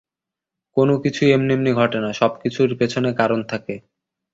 কোনকিছুই এমনি এমনি ঘটেনা, সবকিছুর পেছনে কারণ থাকে।